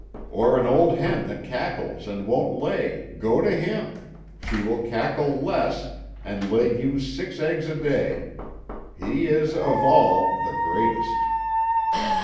Or an old hen that cackles and won't lay, go to him; she will cackle less, and lay you six eggs a day. He is, of all, the greatest."